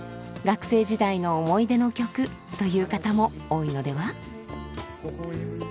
学生時代の思い出の曲という方も多いのでは。